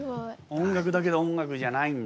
音楽だけど音楽じゃないんだ。